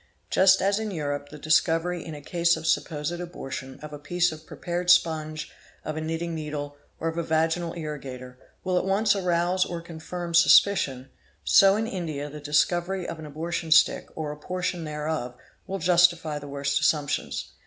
Just as in Europe the discovery in a case of apposed abortion of a piece of prepared sponge, of a knitting needle, or Mf a vaginal irrigator, will at once arouse or confirm suspicion, so in ndia the discovery of an "abortion stick" or a portion thereof will justify the worst: assumptions.